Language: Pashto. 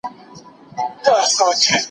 یونانیان خپل ځانګړی تاریخ لري.